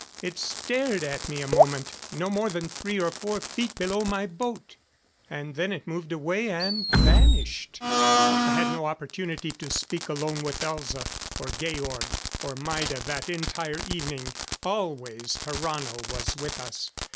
It stared at me a moment no more than three or four feet below my boat. And then it moved away and vanished. I had no opportunity to speak alone with Elza, or Georg or Maida that entire evening. Always Tarrano was with us.